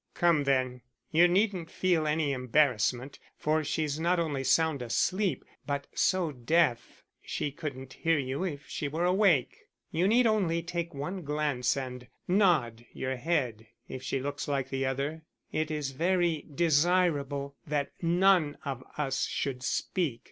"Come, then. You needn't feel any embarrassment, for she's not only sound asleep but so deaf she couldn't hear you if she were awake. You need only take one glance and nod your head if she looks like the other. It is very desirable that none of us should speak.